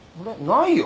ないよ。